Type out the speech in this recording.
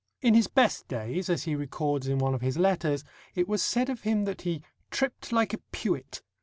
In his best days, as he records in one of his letters, it was said of him that he "tripped like a pewit."